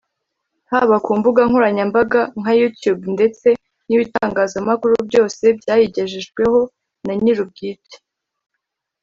haba ku mbuga nkoranyambaga nka youtube ndetse n’ibitangazamakuru byose byayigejejweho na nyir’ubwite